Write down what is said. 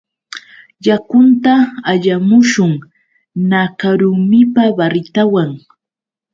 Yakunta allamushun. Nakarumipa baritawan